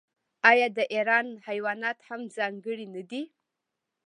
آیا د ایران حیوانات هم ځانګړي نه دي؟